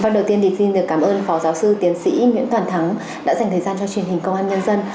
đầu tiên thì xin được cảm ơn phó giáo sư tiến sĩ nguyễn toàn thắng đã dành thời gian cho truyền hình công an nhân dân